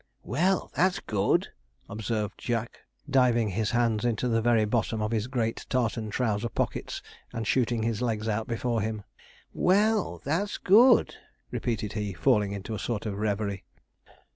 "' 'Well, that's good,' observed Jack, diving his hands into the very bottom of his great tartan trouser pockets, and shooting his legs out before him; 'well, that's good,' repeated he, falling into a sort of reverie.